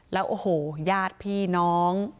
แล้วโอ้โหญาติพี่น้อง